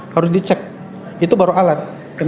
harus dicek itu baru alat